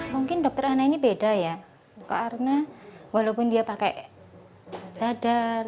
mungkin dokter hana ini beda ya karena walaupun dia pakai dadar